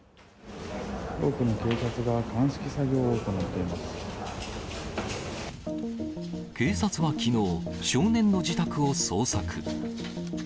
多くの警察が鑑識作業を行っ警察はきのう、少年の自宅を捜索。